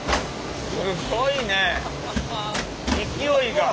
すごいね勢いが。